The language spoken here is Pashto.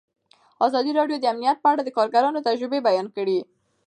ازادي راډیو د امنیت په اړه د کارګرانو تجربې بیان کړي.